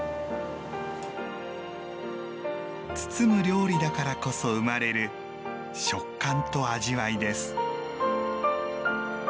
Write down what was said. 包む料理だからこそ生まれる食感と味わいです。